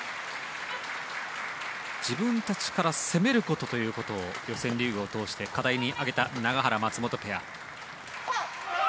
自分たちから攻めることということを予選リーグを通して課題に挙げた永原、松本ペア。